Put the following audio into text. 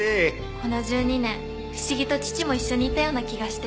この１２年不思議と父も一緒にいたような気がして。